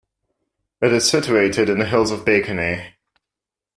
It is situated in the hills of Bakony.